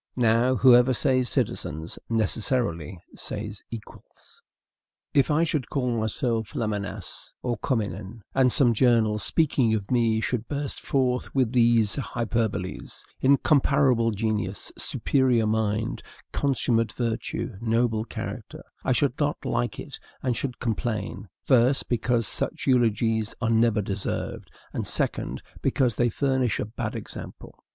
Now, whoever says "citizens" necessarily says equals. If I should call myself Lamennais or Cormenin, and some journal, speaking of me, should burst forth with these hyperboles, INCOMPARABLE GENIUS, SUPERIOR MIND, CONSUMMATE VIRTUE, NOBLE CHARACTER, I should not like it, and should complain, first, because such eulogies are never deserved; and, second, because they furnish a bad example.